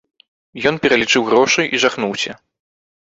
Ён пералічыў грошы і жахнуўся.